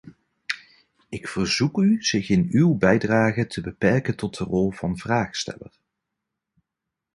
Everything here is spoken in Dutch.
Ik verzoek u zich in uw bijdrage te beperken tot de rol van vraagsteller.